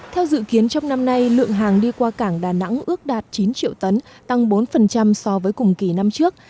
theo dự kiến trong năm nay lượng hàng đi qua cảng đà nẵng ước đạt chín triệu tấn tăng bốn so với cùng kỳ năm trước